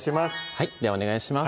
はいではお願いします